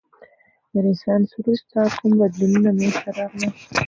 د رنسانس وروسته کوم بدلونونه منځته راغلل؟